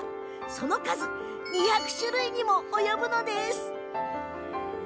その数、２００種類に及ぶのです。